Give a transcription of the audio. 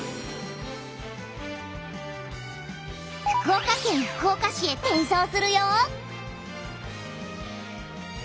福岡県福岡市へ転送するよ！